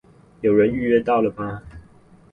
有人預約到了嗎？